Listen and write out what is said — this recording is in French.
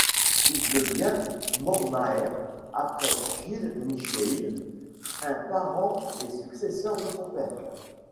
Il devient mormaer après Gille Míchéil un parent et successeur de son père.